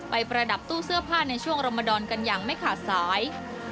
ประดับตู้เสื้อผ้าในช่วงรมดอนกันอย่างไม่ขาดสาย